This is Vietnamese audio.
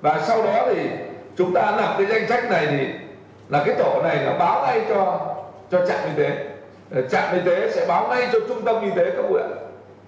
và sau đó thì chúng ta nạp cái danh sách này thì là cái tổ này là báo ngay cho trạm y tế trạm y tế sẽ báo ngay cho trung tâm y tế cấp huyện